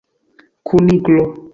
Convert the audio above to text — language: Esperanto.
kuniklo